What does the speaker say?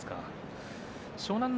湘南乃